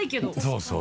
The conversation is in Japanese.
そうそう。